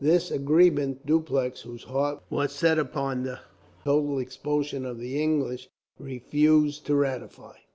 This agreement Dupleix, whose heart was set upon the total expulsion of the English, refused to ratify.